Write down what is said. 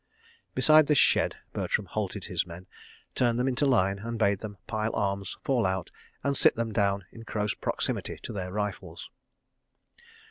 Beneath this shed, Bertram halted his men, turned them into line, and bade them pile arms, fall out, and sit them down in close proximity to their rifles.